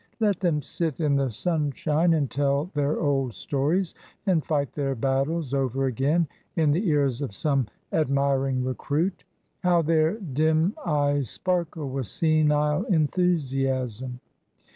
Let them sit in the sunshine and tell their old stories, and fight their battles over again in the ears of some admiring recruit. How their dim eyes sparkle with senile enthusiasm!